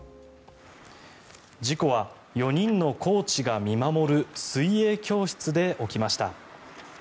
事故は４人のコーチが見守る水泳教室で起きました。